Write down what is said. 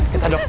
kita dokter ya